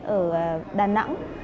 ở đà nẵng